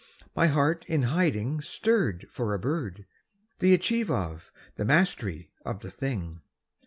My heart in hiding Stirred for a bird, the achieve of, the mastery of the thing!